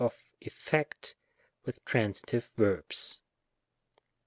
of effect with transitive verbs.